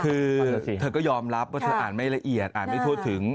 คือเธอก็ยอมรับว่าเธออ่านไม่ละเอียดอ่านไม่ทั่วถึง